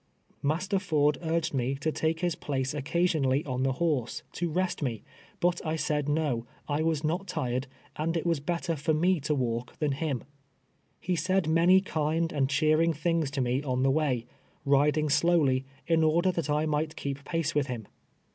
IMaster Ford urged me lo take his place occasion ally on the horse, to rest me ; but I said no, I was not tired, and it was better for me to M'alk than him. He said many kind and cheering things to me on the way, riding slowly, in order that I might keep pace with him.